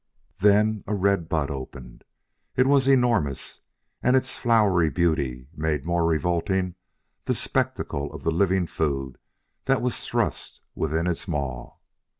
Then a red bud opened. It was enormous, and its flowery beauty made more revolting the spectacle of the living food that was thrust within its maw.